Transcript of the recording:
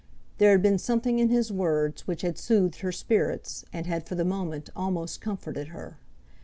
There had been something in his words which had soothed her spirits, and had, for the moment, almost comforted her.